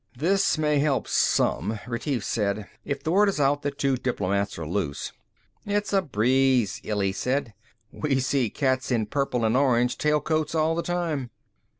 "This may help some," Retief said, "if the word is out that two diplomats are loose." "It's a breeze," Illy said. "We see cats in purple and orange tailcoats all the time."